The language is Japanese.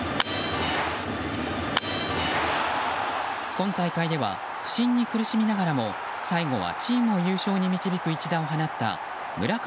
今大会では不振に苦しみながらも最後はチームを優勝に導く一打を放った村神